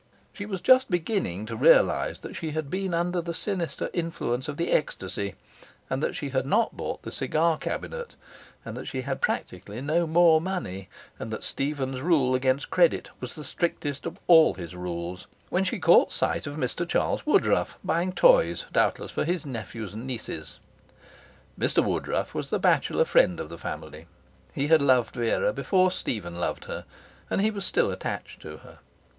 She was just beginning to realize that she had been under the sinister influence of the ecstasy, and that she had not bought the cigar cabinet, and that she had practically no more money, and that Stephen's rule against credit was the strictest of all his rules, when she caught sight of Mr Charles Woodruff buying toys, doubtless for his nephews and nieces. Mr Woodruff was the bachelor friend of the family. He had loved Vera before Stephen loved her, and he was still attached to her.